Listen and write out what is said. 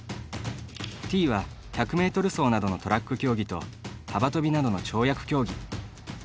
Ｔは、１００ｍ走などのトラック競技と幅跳びなどの跳躍競技。